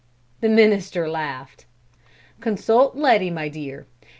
The minister laughed. "Consult Letty, my dear.